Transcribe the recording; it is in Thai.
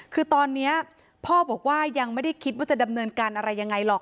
คือตอนนี้พ่อบอกว่ายังไม่ได้คิดว่าจะดำเนินการอะไรยังไงหรอก